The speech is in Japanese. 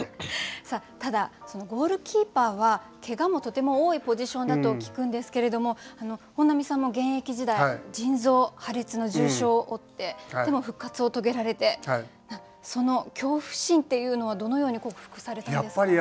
さあただそのゴールキーパーはけがもとても多いポジションだと聞くんですけれども本並さんも現役時代腎臓破裂の重傷を負ってでも復活を遂げられてその恐怖心っていうのはどのように克服されたんですか？